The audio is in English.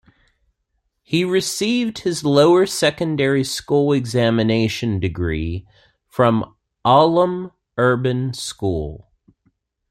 He received his Lower Secondary School Examination degree from Aulum Urban School.